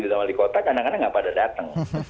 dan wali kota kadang kadang tidak pada datang